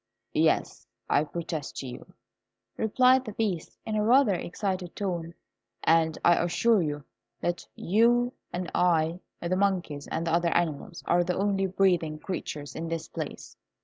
"Yes, I protest to you," replied the Beast, in a rather excited tone; "and I assure you that you and I, the monkeys, and the other animals, are the only breathing creatures in this place."